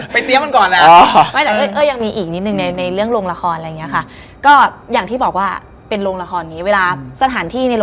เพราะว่าที่ผมคิดเล่นนะ